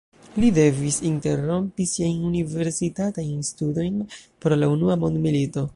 Li devis interrompi siajn universitatajn studojn pro la unua mondmilito.